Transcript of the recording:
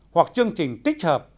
hoặc chương trình tích hợp